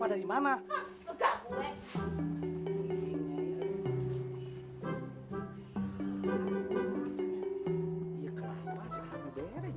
agaknya maksudnya beli kelapa di pasar lagi segitu masih kurang